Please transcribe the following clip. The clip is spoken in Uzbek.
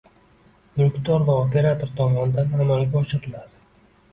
mulkdor va operator tomonidan amalga oshiriladi.